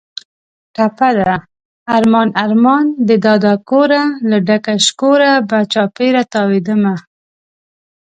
ټپه ده: ارمان ارمان دې دادا کوره، له ډکه شکوره به چاپېره تاوېدمه